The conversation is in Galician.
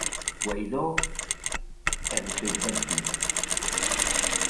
Guaidó é do seu partido.